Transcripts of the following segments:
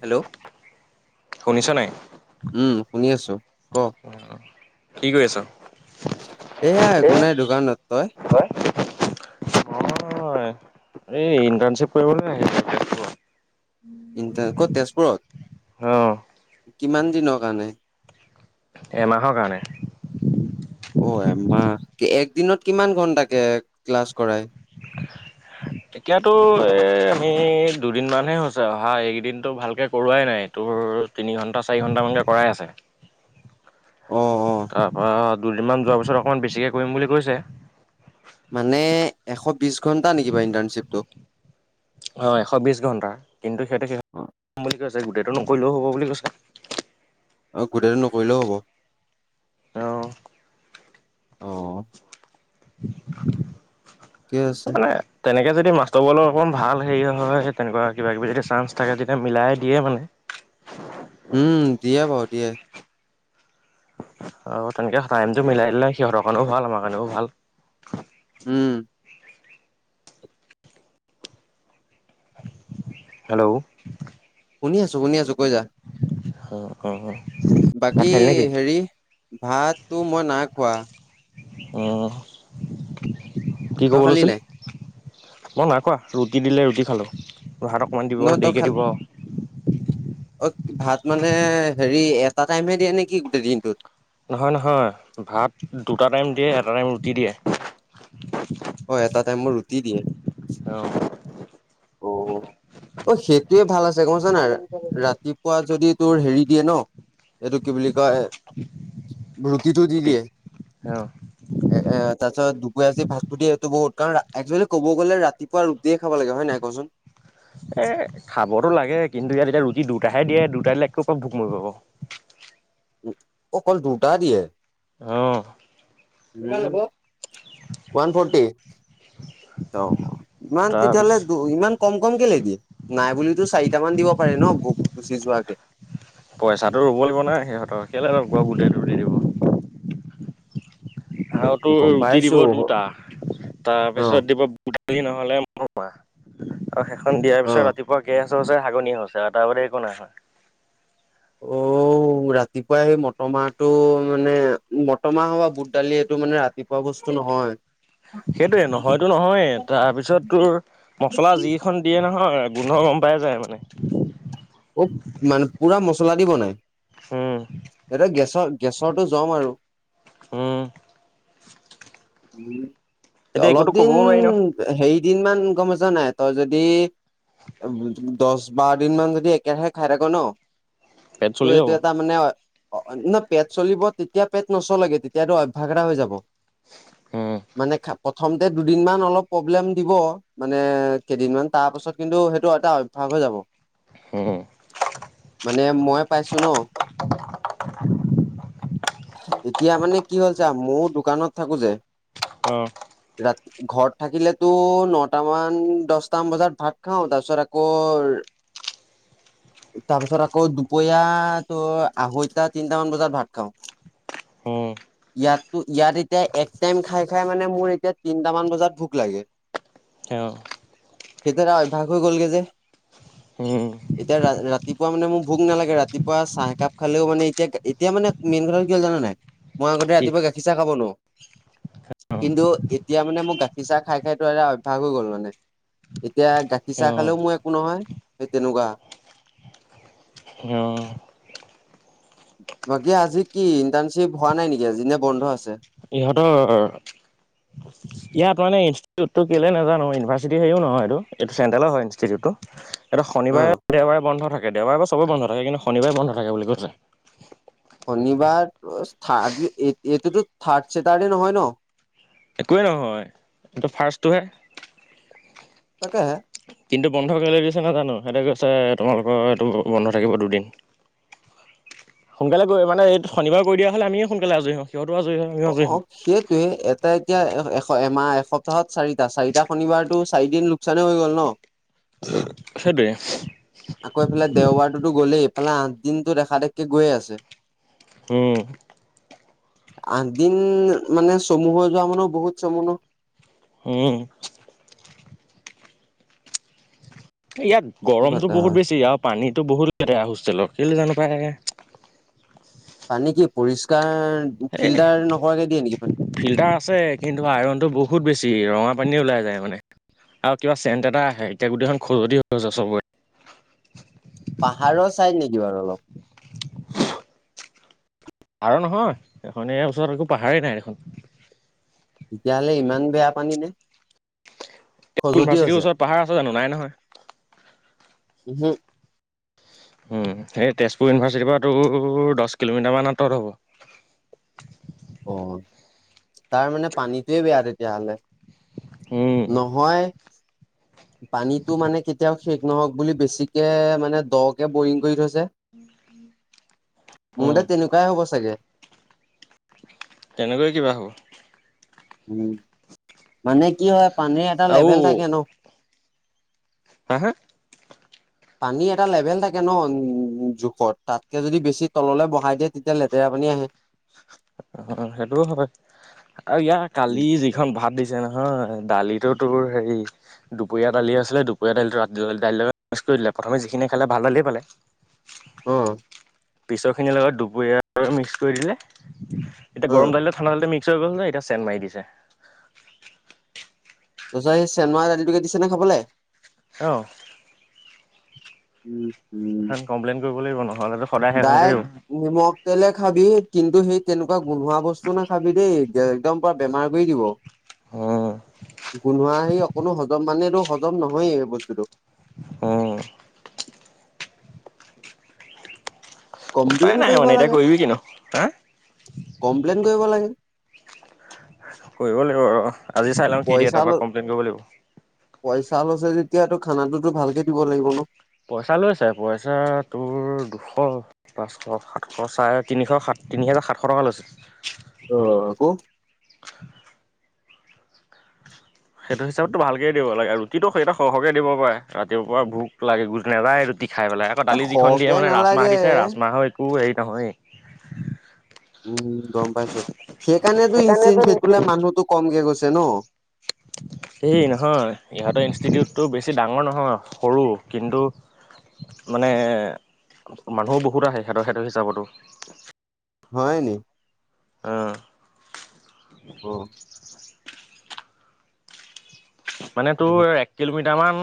Hello! শুনিছ নাই উম শুনি আছোঁ ক? অ কি কৰি আছ? এয়া এ একো নাই দোকানত, তই? হয় মই এই ইণ্টাৰ্ণশ্বিপ কৰিব নাই ইণ্টাৰ্ণ ক'ত তেজপুৰত? অ। কিমান দিনৰ কাৰণে? এমাহৰ কাৰণে। অ এমাহ, একদিনত কিমান ঘণ্টাকে ক্লাছ কৰাই? [inaudible] এতিয়াতো এ আমি দুদিনমানহে হৈছে অহা এইকেইদিনটো ভালকে কৰোৱাই নাই তোৰ তিনি ঘণ্টা - চাৰি ঘণ্টামানকে কৰাই আছে। অ অ তাৰ পৰা দুদিনমান যোৱাৰ পিছত অকণমান বেছিকে কৰিম বুলি কৈছে। মানে এশ বিশ ঘণ্টা নেকি বাৰু ইণ্টাৰ্ণশ্বিপটো? অঁ এশ বিছ ঘণ্টা কিন্তু সিহঁতে সেইম বুলি কৈছে গোটেইটো নকৰিলেও হ'ব বুলি কৈছে। অ গোটেইটো নকৰিলেও হব। অহ অ ঠিকে আছে মানে তেনেকৈ যদি মাষ্টৰবলৈ অকণ ভাল হেৰি হয় তেনেকুৱা কিবা - কিবি যদি চাঞ্চ থাকে তেতিয়া মিলাই দিয়ে মানে। উম দিয়ে বাৰু দিয়ে। আৰু তেনেকে টাইমটো মিলাই দিলে সিহঁতৰ কাৰণেও ভাল আমাৰ কাৰণেও ভাল। উম। হেল্ল'! শুনি আছো শুনি আছো কৈ যা। অ অ অ ভাত খালি নেকি? ভাততো মই নাই খোৱা। উম, কি তই কব খালি লৈছিলি? নাই মই নাই খোৱা, ৰুটি দিলে ৰুটি খালোঁ, ভাত অকণমান দিব দেৰিকে দিব। অত ভাত মানে হেৰি এটা টাইমহে দিয়ে নেকি গোটেই দিনটোত? নহয় নহয় ভাত দুটা টাইম দিয়ে, এটা টাইম ৰুটি দিয়ে। অ এটা টাইম মই ৰুটি দিয়ে। অ। অ। অ সেইটোয়ে ভাল আছে গম পাইছা নাই? ৰাতিপুৱা যদি তোৰ হেৰি দিয়ে ন এইটো কি বুলি কয় ৰুটিটো দি ৰুটি দিয়ে। অ। এ এ তাৰ পিছত দুপৰীয়া যদি ভাতটো দিয়ে সেইটো বহুত কাৰণ একচুৱেলি ক'ব গ'লে ৰাতিপুৱা ৰুটিয়ে খাব লাগে হয় নাই কচোন এ খাবতো লাগে কিন্তু ইয়াত এতিয়া ৰুটি দুটাহে দিয়ে দুটা দিলে কপা ভোক মৰিব বাও উম অকল দুটা দিয়ে। অ। ভাল হব। ওৱান ফৰ্টি অ ইমান তাৰপিছ তেতিয়াহ'লে ইমান কম কম কেলে দিয়ে নাই বুলিতো চাৰিটা মান দিব পাৰে ন ভোক গুচি যোৱাকে পইচাটো ৰব লাগিব না সিহঁতৰ কেলে লগৰ বুলি সেইটো দি দিব আৰু তোৰ গম ৰুটি দিব পাইছো দুটা অ তাৰপিছত দিব নহলে মো আৰু সেইখন দিয়াৰ অ পিছত ৰাতি পুৱা গেছ হৈছে হাগনি হৈছে আৰু তাৰ বাদে একো নাই হোৱা অঔ উ ৰাতিপুৱাই সেই মটৰ মাহটো মানে মটৰ মাহ বা বুট দালি এইটো মানে ৰাতিপুৱা বস্তু নহয় সেইটোয়ে নহয়তো নহয়েই তাৰপিছত তোৰ মচলা যি খন দিয়ে নহয় গোন্ধ গম পাই যায় মানে অ মানে পুৰা মচলা দি বনাই উম, এতে গেছৰ গেছৰটো জম আৰু উম উম এতিয়া একোতো অলপ দিন ক'বও নোৱাৰি ন। হেৰি দিন মান গম য নাই তই যদি দহ বাৰ দিন মান যদি এ কেৰাহে খাই থাকো ন পেট চলি তোৰ যাব। এইটো এটা মানে অ ন পেট চলিব তেতিয়া পেট নচলেগে তেতিয়াতো অভ্যাস এটা হৈ যাব উম, মানে খা প্ৰথমতে দুদিন মান অলপ প্ৰব্লেম দিব মানে কেইদিন মান তাৰ পাছত কিন্তু সেইটো এটা অভ্যাস হৈ যাব হু মানে মই পাইছো ন এতিয়া মানে কি হ'ল চা মও দোকানত থাকো যে অ ৰা ঘৰত থাকিলেতো নটামান দছটামান বজাত ভাত খাওঁ তাৰপিছত আকৌ তাৰ পিছত আকৌ দুপৰীয়া তোৰ আঢ়ৈটা তিনটামান বজাত ভাত খাও হম ইয়াততো ইয়াত এতিয়া এক টাইম খাই খাই মানে মোৰ এতিয়া তিনটামান বজাত ভোক লাগে অ সেইটো এটা অভ্যাস হৈ গ'লগে যে হম এতিয়া ৰাতিপুৱা মানে মোৰ ভোক নালাগে ৰাতিপুৱা চাহ একাপ খালেও মানে এতিয়া এতিয়া মানে মেইন কথাটো কি হ'ল জানা নাই মই আগতে কি ৰাতিপুৱা গাখীৰ চাহ খাব নোৱাও অ', কিন্তু এতিয়া মানে মোক গাখীৰ চাহ খাই খাই এটা অভ্যাস হৈ গ'ল মানে এতিয়া গাখীৰ চাহ অ', অ'। খালেও মোৰ একো নহয় তেনেকোৱা বাকী আজি কি ইণ্টাৰ্ণশ্বিপ হোৱা নাই নেকি আজি নে বন্ধ আছে ইহঁতৰ ইয়াত মানে ইনষ্টিটিউট টো কেলে নাজানো ইউনিভাৰ্চিটি হেও নহয় এইটো চেণ্টেলৰ হয় ইনষ্টিটিউটটো এটা অ শনিবাৰে দেওবাৰে বন্ধ থাকে দেওবাৰে বাও চবৰেই বন্ধ থাকে কিন্তু শনিবাৰে বন্ধ থাকে বুলি কৈছে শনিবাৰ থাৰ্ড এটোতো থাৰ্ড চেটাৰ্ডে নহয় ন একোৱেই নহয় এইটো ফাৰ্ষ্টটোহে তাকে হে কিন্তু বন্ধ কৰিবলৈ দিছে ন জানো সেইটো কৈছে তোমালোকৰ এইটো বন্ধ থাকিব দুদিন সোনকালে মানে এই শনিবাৰে কৰি দিয়া হলে আমিয়ে সোনকালে আজৰি হওঁ সিহঁতেও আজৰি হয়। আমিও অ আজৰি অ হওঁ সে তে এটা এতিয়া এ এমাহ এসপ্তাহত চাৰিটা চাৰিটা শনিবাৰতটো চাৰিদিন লোকচানে হৈ গ'ল ন। উম সেইটোৱে আকৌ এইফালে দেওবাৰটোতো গ'লেই ইফালে আঠ দিনতো দেখা দেখকে গৈয়ে আছে উম আঠ দিন মানে চমু হৈ যোৱা মানুহ বহুত চমু ন উম। ইয়াত গৰমতটো কথা বহুত হয়। বেছি আৰু পানীতো বহুত লেতেৰা হোষ্টেলত কেলে জানো পায়। পানী কি পৰিস্কাৰ এই ফিল্টাৰ নকৰাকে দিয়ে নেকি পানী। ফিল্টাৰ আছে কিন্তু আইৰণটো বহুত বেছি ৰঙা পানীয়ে ওলাই যায় মানে। আৰু কিবা চেণ্ট এটা আহে এতিয়া গোটেই খন খজুতি হৈ গৈছে চবৰে। পাহাৰৰ ছাইড নেকি বাৰু অলপ। আৰু নহয় এখন ইয়াৰ ওচৰত একো পাহাৰেই নাই দেখোন। তেতিয়া হ'লে ইমান বেয়া পানী নে? খজতি ইউনিাৰ্চিটিৰ হৈছে ওচৰত পাহাৰ আছে জানো নাই নহয়। উহু সেই তেজপুৰ ইউনিভাৰ্চিটিৰ পৰাতো দহ কিলোমিটাৰমান আঁতৰত হ'ব। অ তাৰ মানে পানীটোয়ে বেয়া তেতিয়া হ'লে। উম, নহয়। পানীতটো মানে কেতিয়াও শেষ নহওক বুলি বেছিকে মানে দকে বৰিং কৰি থৈছে। মোৰ উম, মতে তেনেকুৱাই হ'ব চাগে। তেনেকৈয়ে কিবা হ'ব। উম মানে কি হয় পানীৰ এটা আৰু লেভেল থাকে ন। হা হা। পানী এটা লেভেল থাকে ন, উম। জোখত তাতকে যদি বেছি তললৈ বহাই দিয়ে তেতিয়া লেতেৰা পানী আহে। অহ সেইটোও হয়। আৰু ইয়াৰ কালি যিখন ভাত দিছে নহয় দালিতো তোৰ হেৰি দুপৰীয়া দালি আছিলে দুপৰীয়া দালিটো ৰাতি দালি টো লগত মিক্স কৰি দিলে প্ৰথমে যিখিনি খালে ভাল দালিয়ে পালে [inaudible] অ পিছৰ খিনিৰ লগত দুপৰীয়াৰ মিক্স কৰি দিলে এতিয়া অ গৰম দাইলত ঠাণ্ডা দালিতে মিস্ক হৈ গ'ল যে এতিয়া চেণ মাৰি দিছে। তাৰ পিছত সেই চেন মৱা দালিটোকে দিছে নে খাবলে? অ। উম উম। সেন কমপ্লেইন কৰিব লাগিব নহ'লেটো সদায় সেইখনকে দিব। নিমক। তেলে খাবি কিন্তু সেই তেনেকুৱা গোন্ধোৱা বস্তু নাখাবি দেই একদম পৰা বেমাৰ কৰি দিব। উম, গোনোৱা সেই অকণো হজম মানেটো হজম নহয়ে বস্তুটো। উম। উপায় কমপ্লেইন নাই কৰিব মানে এতিয়া লাগে। কৰিবি কি নু হা কমপ্লেইন কৰিব লাগে। কৰিব লাগিব ৰ আজি চাই লম কি দিয়ে পইচা ল তাৰপৰা কমপ্লেইন কৰিব লাগিব। পইচা লৈছে যেতিয়াটো খানাতো ভালকে দিব লাগিব ন। পইচা লৈছে পইচা তোৰ দুশ। পাঁচশ সাতশ চাৰে তিনিশ সাত তিনি হাজাৰ সাতশ টকা লৈছে। অ ক সেইটো হিচাপতো ভালকেইে দিব লাগে ৰুটিটো সেইটো সৰহকৈ দিব পাৰে ৰাতিপুৱা ভোক লাগে গুজ নাযায় ৰুটি খাই পেলাই। বা এ দালি যিখন দিয়ে সৰহকে মানে ৰাজমাহ নালাগে দিছে ৰাজমাহৰ একো হেৰি নহয়। উম গম পাইছো সেইকাৰণেতো ইচিন সেইকোলা মানুহতটো কমকে গৈছে ন। [inaudible] এই নহয় ইহঁতৰ ইনষ্টিটিউটটো বেছি ডাঙৰ নহয় সৰু কিন্তু। মানে মানুহ বহুত আহে হেতৰ হেতৰ হিচাপতো হয় নি। অ ব [unintelligible] মানে তোৰ এক কিলোমিটাৰ মান।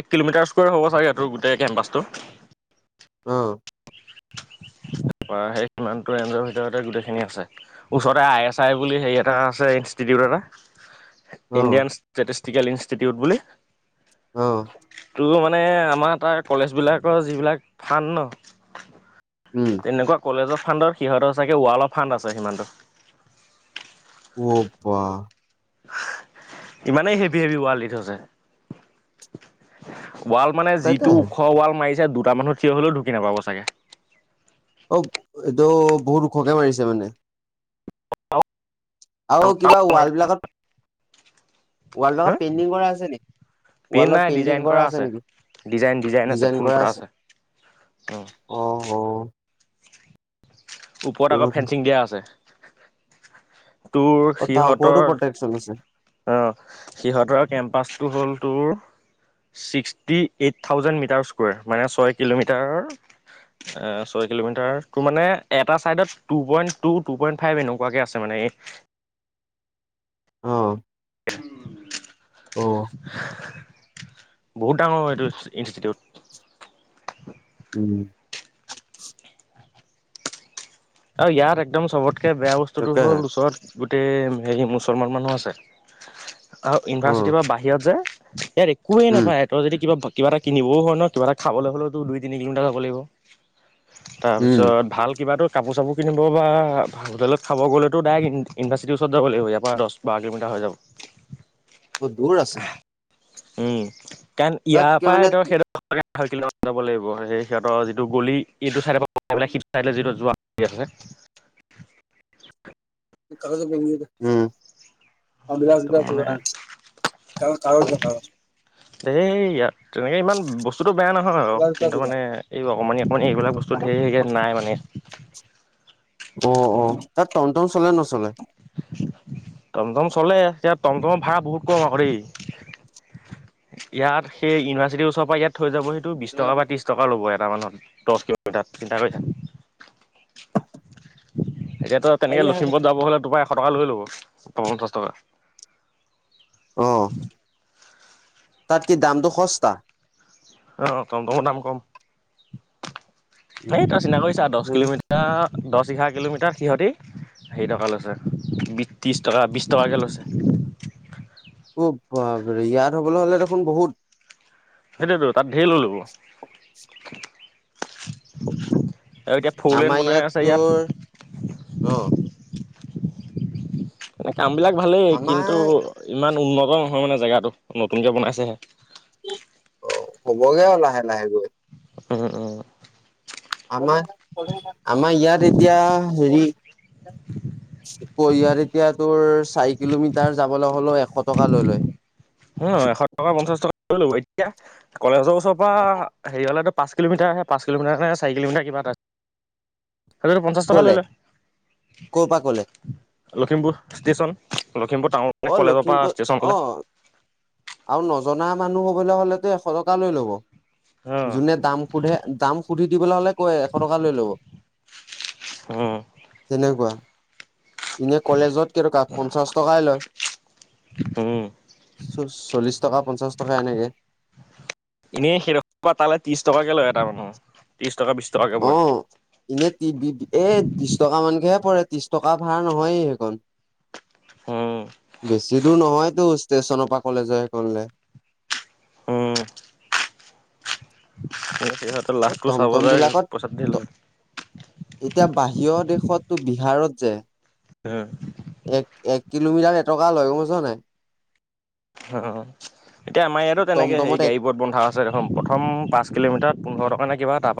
এক কিলোমিটাৰ স্কোৱাৰ হ'ব চাগে টোৰ গোটেই কেম্পাচটো। অ তাৰ পৰা সেই সিমানটো ৰেঞ্জৰ ভিতৰতে গোটেইখিনি আছে। ওচৰতে আই এছ আই বুলি হেৰি এটা আছে ইনষ্টিটিউট এটা। অ ইণ্ডিয়ান ষ্টেটিষ্টিকেল ইনষ্টিটিউট বুলি। অ টো মানে আমাৰ তাৰ কলেজ বিলাকৰ যিবিলাক ফান ন। উম তেনেকুৱা কলেজৰ ফাণ্ডৰ সিহঁৰ চাগে ৱালৰ ফাণ্ড আছে সিমানটো। ৱ বাহ ইমানেই হেভি হেভি ৱাল দি থৈছে ৱাল মানে যিটো তাকেহে। ওখ ৱাল মাৰিছে দুটা মানুহ থিয় হলেও ঢুকি নাপাব চাগে। অ এইটো বহুত ওখকে মাৰিছে মানে। আও কিবা ৱাল বিলাকত ৱাল হা বিলাকত পেইণ্টিং কৰা আছে নি পেইন নাই ডিজাইন কৰা আছে ডিজাইন ডিজাইন আছে ফুল কটা আছে। উম অ হও। ওপৰত এইটো আকৌ কথা ফেঞ্চিং দিয়া আছে। তোৰ অ তাৰ ওপৰতো সিহঁতৰ প্ৰটেকচন আছে অ সিহঁতৰ কেম্পাচটো হ'ল তোৰ ছিক্সটি এইট থাউজেণ্ড মিটাৰ স্কৰ মানে ছয় কিলোমিটাৰ ছয় কিলোমিটাৰ তোৰ মানে এটা চাইডত two point two two point five এনেকুৱাকে আছে মানে এই- অ অ বহুত ডাঙৰ এইটো ইনষ্টিটিউট। উম। আৰু ইয়াত একদম চবতকে বেয়া বস্তুতটো হ'ল তাকেহে ওচৰত- গোটেই হেৰি মুছলমান মানুহ আছে আৰু অ ইউনিভাৰ্চিটিৰ পৰা বাহিৰত যে। ইয়াৰ একোৱে উম নাপায়। তই যদি কিবা কিবা এটা কিনিবও ন কিবা এটা খাবলৈ হ'লেও দুই তিনি কিলোমিটাৰ যাব লাগিব। উম তাৰপিছত ভাল কিবাতো কাপোৰ চাপোৰ কিনিব বা হোটেলত খাব গ'লেতো ডাইৰেক্ট ইউনিভাৰ্চিটিৰ ওচৰত যাব লাগিব ইয়াৰ পৰা দছ বাৰ কিলোমিটাৰ হৈ যাব। বহুত দূৰ আছে। উম কাৰণ ইয়াৰ তাতকে মানে পায় সেই [unintelligible] ছয় কিলোমিটাৰ মান যাব লাগিব সেই সিহঁতৰ গলি এইটো চাইদৰ পৰা ওলাই সিটো চাইদলে যিটো যোৱা কি আছে। কাগজত বে কৰি দে উম। মানে [unintelligible] এই ইয়াত তেনেকে ইমান বস্তুটো বেয়া নহয় বাওঁ কিন্তু মানে এই অকণমানি অকণমানি এইবিলাক বস্তু ধেৰ ইয়াত নাই মানে। অ অ তাত টম টম চলে নচলে? টমটম চলে এতিয়া টমটমৰ ভাৰা বহুত কম আক দেই। ইয়াত সেই ইউনিভাৰ্চিটিৰ ওচৰৰ পৰা ইয়াত থৈ যাবহি তোৰ বিছ টকা বা ত্ৰিছ টকা ল'ব এটা মানুহত দছ কিলোমিটাৰ চিন্তা কৰি চা। এতিয়াতো তেনেকে লখিমপুৰ যাব হ'লে তো পৰা এশ টকা লৈ ল'ব, অ পঞ্চাছ টকা। অ তাত কি দামটো সস্তা। অ টমটমৰ দাম কম। এই তই চিন্তা কৰি চা দছ কিলোমিটাৰ এতিয়া দছ, এঘাৰ কিলোমিটাৰ সিহঁতি হেই টকা লৈছে বি ত্ৰিছ টকা, বিছ টকাকে লৈছে। অ বাপৰে ইয়াত হ'বলে হ'লে দেখোন বহুত সেইটোৱেটো তাত ধেৰ লৈ লব। [unintelligible] আৰু এতিয়া ফ'ৰ লেন আমাৰ বনাই আছে তোৰ ইয়াত। অ। এনে কাম বিলাক ভালেই। কিন্তু আমাৰ ইমান উন্নত নহয় মানে জেগাটো, নতুনকে বনাইছেহে। অ হ'বগে আৰু লাহে লাহে গৈ। উম, উম। আমাৰ আমাৰ ইয়াত এতিয়া হেৰি আকৌ এতিয়া তোৰ চাৰি কিলোমিটাৰ যাবলে হ'লেও এশ টকা লৈ লয়। অ এশ টকা, পঞ্চাছ টকা লৈ লব। এতিয়া কলেজৰ ওচৰৰ পৰা হেৰিয় লৈকে পাঁচ কিলোিটাৰহে, পাঁচ কিলোমিটাৰ নে চাৰি কিলমিটাৰ কিবা এটা। সেইটোতো পঞ্চাছ টকা কলে লৈ লয়। ক'ৰ পৰা কলে লখিমপুৰ ষ্টেচন, লখিমপুৰ টাউন অ মানে কলেজৰ পৰা লখিমপুৰ অ ষ্টেচনলে। আৰু নজনা মানুহ হবলে হলেতো এশ টকা লৈ লব। উম যোনে দাম সোধে দাম সুধি দিবলৈ হ'লে কৈ এশ টকা লৈ ল'ব। উম। তেনেকুৱা। এনে কলেজত কেই টকা? পঞ্চাছ টকাই লয়। উম। চল্লিছ টকা, পঞ্চাছ টকা এনেকে। এনেই সেইডখৰ পৰা তালে ত্ৰিছ টকাকে লয় এটা মানুহ। ত্ৰিছ টকা, বিছ টকাকে পৰে। এনেই এ বিছ টকা মানকেহে পৰে। ত্ৰিছ টকা ভাৰা নহয়ে সেইকণ। উম বেছি দূৰ নহয়তো ষ্টেচনৰ পৰা কলেজৰ সেই কনলে। উম সিহঁতে এ লাভটো চাব টমটম যায় বিলাকত পইচা ধেই ত লয়। এতিয়া বাহিৰৰ দেশতটো বিহাৰত যে হু। এক, এক কিলোমিটাৰ এটকা লয়, গম পাইছ নাই? অ, এতিয়া আমাৰ ইয়াতো তেনেকে হেৰি টমটমত এক গাড়ীবোৰত বন্ধা আছে দেখোন প্ৰথম পাঁচ কিলোমিটাৰত পোন্ধৰ টকা নে কিবা তা